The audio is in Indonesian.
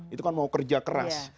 itu kan mau kerja keras